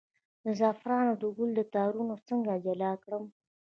د زعفرانو د ګل تارونه څنګه جلا کړم؟